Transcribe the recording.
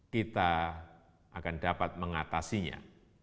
kita akan dapat mengatasinya